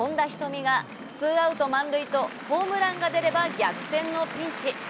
海がツーアウト満塁と、ホームランが出れば逆転のピンチ。